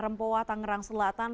rempoha tangerang selatan